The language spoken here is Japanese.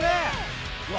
うわ